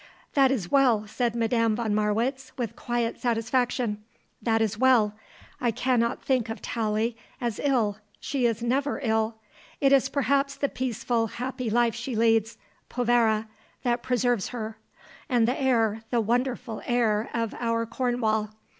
"That is well," said Madame von Marwitz with quiet satisfaction. "That is well. I cannot think of Tallie as ill. She is never ill. It is perhaps the peaceful, happy life she leads povera that preserves her. And the air, the wonderful air of our Cornwall.